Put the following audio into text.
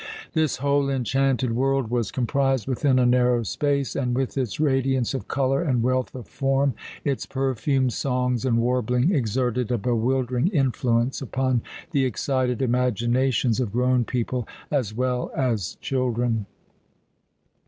This whole enchanted world was comprised within a narrow space, and, with its radiance of colour and wealth of form, its perfume, songs, and warbling, exerted a bewildering influence upon the excited imaginations of grown people as well as children.